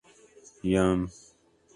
Yum!